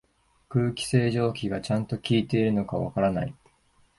空気清浄機がちゃんと効いてるのかわからない